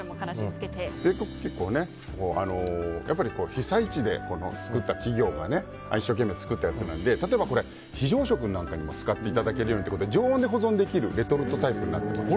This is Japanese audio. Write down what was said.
被災地で作った企業が一生懸命作ったやつなので例えば非常食なんかにも使っていただけるようにということで、常温で保存できるレトルトタイプになってます。